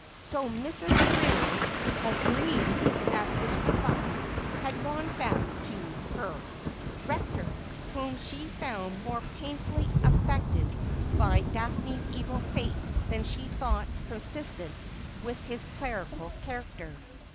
So Mrs. Ferrers, aggrieved at this rebufi, had gone back to her Rector, whom she found more painfully affected by Daphne's evil fate than she thought consistent with his clerical character.